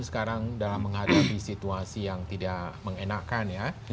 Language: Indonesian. sekarang dalam menghadapi situasi yang tidak mengenakan ya